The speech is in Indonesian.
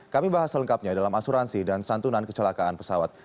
kami bahas selengkapnya dalam asuransi dan santunan kecelakaan pesawat